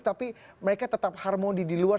tapi mereka tetap harmoni di luar